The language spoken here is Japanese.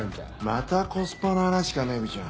またコスパの話かメグちゃん。